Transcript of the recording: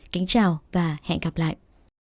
kính chào và hẹn gặp lại